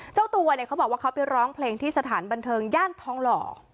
เจ้าตัวเนี่ยเขาบอกว่าเขาไปร้องเพลงที่สถานบันเทิงย่านทองหล่อ